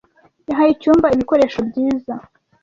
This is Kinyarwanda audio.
Yahaye icyumba ibikoresho byiza.